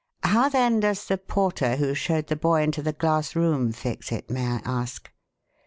How, then, does the porter who showed the boy into the glass room fix it, may I ask?"